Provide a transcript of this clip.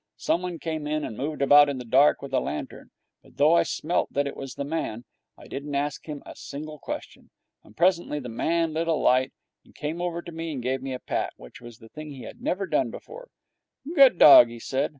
Someone came in and moved about in the dark, with a lantern, but, though I smelt that it was the man, I didn't ask him a single question. And presently the man lit a light and came over to me and gave me a pat, which was a thing he had never done before. 'Good dog!' he said.